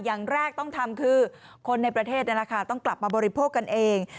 อย่างแรกต้องทำคือคนในประเทศต้องกลับมาบริโภคกันเอง